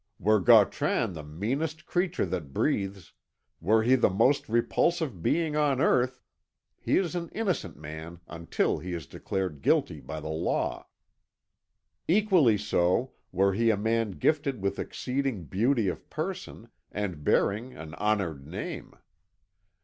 Were Gautran the meanest creature that breathes, were he the most repulsive being on earth, he is an innocent man until he is declared guilty by the law. Equally so were he a man gifted with exceeding beauty of person, and bearing an honoured name.